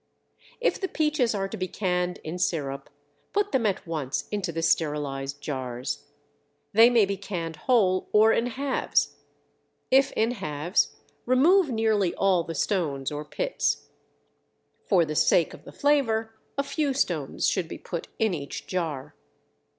If the peaches are to be canned in sirup, put them at once into the sterilized jars. They may be canned whole or in halves. If in halves, remove nearly all the stones or pits. For the sake of the flavor, a few stones should be put in each jar.